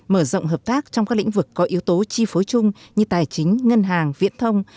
mở rộng hợp tác trong các lĩnh vực có yếu tố chi phối chung như tài chính ngân hàng viễn thông